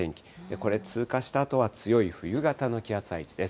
これ、通過したあとは強い冬型の気圧配置です。